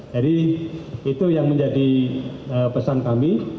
jadi itu yang menjadi pesan kami